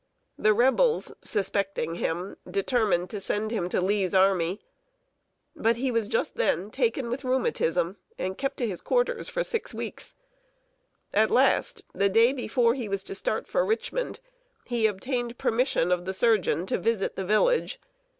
The Rebels, suspecting him, determined to send him to Lee's army. But he was just then taken with rheumatism, and kept his quarters for six weeks! At last, the day before he was to start for Richmond, he obtained permission of the surgeon to visit the village.